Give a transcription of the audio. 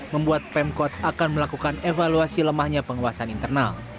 membuat pemkot akan melakukan evaluasi lemahnya penguasaan internal